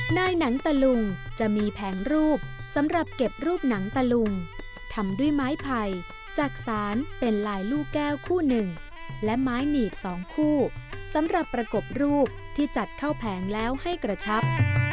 หนังตะลุงจะมีแผงรูปสำหรับเก็บรูปหนังตะลุงทำด้วยไม้ไผ่จักษานเป็นลายลูกแก้วคู่หนึ่งและไม้หนีบ๒คู่สำหรับประกบรูปที่จัดเข้าแผงแล้วให้กระชับ